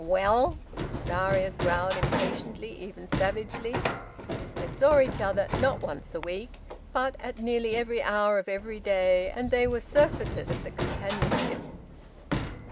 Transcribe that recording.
"Well?" Darius growled impatiently, even savagely. They saw each other, not once a week, but at nearly every hour of every day, and they were surfeited of the companionship.